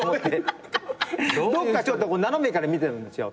どっかちょっと斜めから見てたんですよ